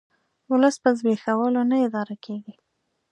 ولس په زبېښولو نه اداره کیږي